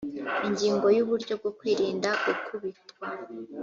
ingingo ya uburyo bwo kwirinda gukubitwa